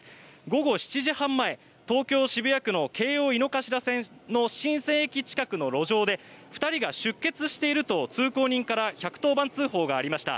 午後７時半前、東京・渋谷区の京王井の頭線の神泉駅近くの路上で２人が出血していると通行人から１１０番通報がありました。